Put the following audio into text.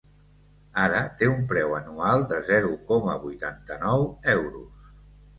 Ara té un preu anual de zero coma vuitanta-nou euros.